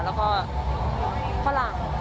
แล้วก็ฝรั่ง